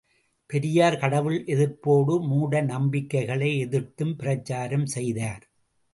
பெரியார் கடவுள் எதிர்ப்போடு, மூடநம்பிக்கைகளை எதிர்த்தும் பிரச்சாரம் செய்தார்.